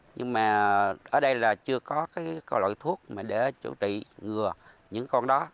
nhưng mà ở đây là chưa có loại thuốc để chữa trị ngừa những con đó